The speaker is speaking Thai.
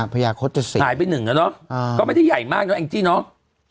พญาโฆษศรีราชเสนีหายไปหนึ่งแล้วเนาะก็ไม่ได้ใหญ่มากเนาะเองจี้เนาะ